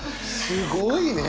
すごいね！